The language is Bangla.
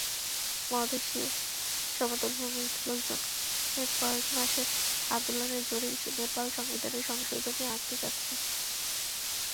মধেশীয় সমতল ভূমির লোকজনের কয়েক মাসের আন্দোলনের জেরেই নেপাল সংবিধানে সংশোধনী আনতে যাচ্ছে।